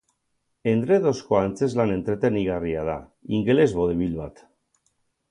Endredozko antzezlan entretenigarria da, ingeles vaudeville bat.